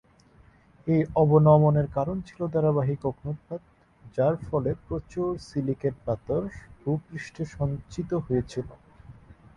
এই অবনমনের কারণ ছিল ধারাবাহিক অগ্ন্যুৎপাত, যার ফলে প্রচুর সিলিকেট পাথর ভূপৃষ্ঠে সঞ্চিত হয়েছিল।